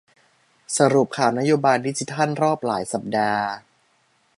สรุปข่าวนโยบายดิจิทัลรอบหลายสัปดาห์